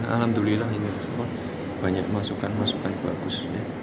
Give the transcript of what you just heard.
alhamdulillah ini banyak masukan masukan bagus